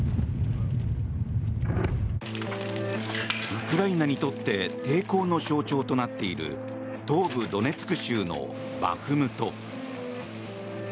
ウクライナにとって抵抗の象徴となっている東部ドネツク州のバフムト。